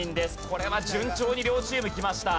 これは順調に両チームきました。